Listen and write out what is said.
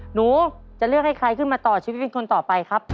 หนูจะเลือกให้ใครขึ้นมาต่อชีวิตเป็นคนต่อไปครับ